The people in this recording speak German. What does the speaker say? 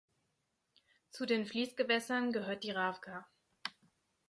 Zu den Fließgewässern gehört die Rawka.